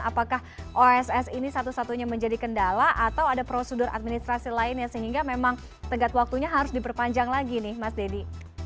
apakah oss ini satu satunya menjadi kendala atau ada prosedur administrasi lainnya sehingga memang tegak waktunya harus diperpanjang lagi nih mas deddy